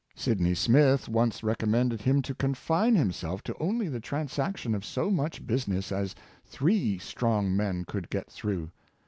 Sydney Smith once recommended him to confine himself to only the trans action of so much business as three strong men could get through.